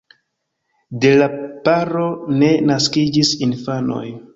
De la paro ne naskiĝis infanoj.